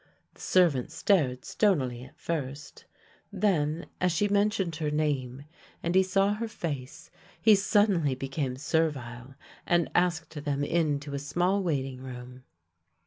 The servant stared stonily at first, then as she mentioned her name and he saw her face, he suddenly became servile, and asked them into a small waiting room.